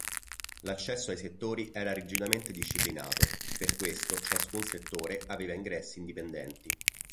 L’accesso ai settori era rigidamente disciplinato, per questo ciascun settore aveva ingressi indipendenti.